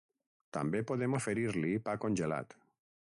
També podem oferir-li pa congelat.